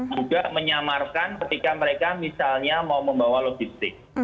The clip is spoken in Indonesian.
juga menyamarkan ketika mereka misalnya mau membawa logistik